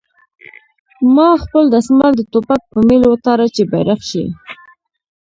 ما خپل دسمال د ټوپک په میل وتاړه چې بیرغ شي